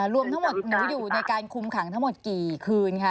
รวมทั้งหมดหนูอยู่ในการคุมขังทั้งหมดกี่คืนค่ะ